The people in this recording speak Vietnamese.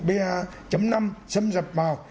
vr năm xâm nhập vào